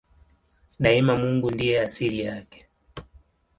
Daima Mungu ndiye asili yake.